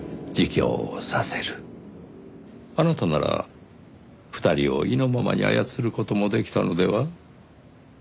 あなたなら２人を意のままに操る事もできたのでは？